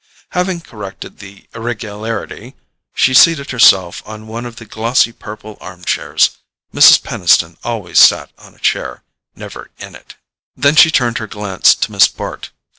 Having corrected the irregularity, she seated herself on one of the glossy purple arm chairs; Mrs. Peniston always sat on a chair, never in it. Then she turned her glance to Miss Bart.